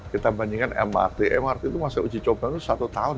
kita bandingkan mrt mrt itu masa uji coba itu satu tahun